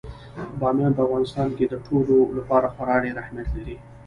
بامیان په افغانستان کې د ټولو لپاره خورا ډېر اهمیت لري.